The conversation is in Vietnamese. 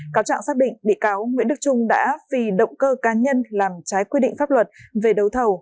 cáo trạng xác định bị cáo nguyễn đức trung đã vì động cơ cá nhân làm trái quy định pháp luật về đấu thầu